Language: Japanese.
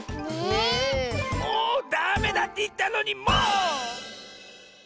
もうダメだっていったのにもう！